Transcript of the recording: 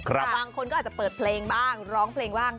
บางคนก็อาจจะเปิดเพลงบ้างร้องเพลงบ้าง